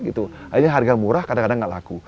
akhirnya harga murah kadang kadang tidak laku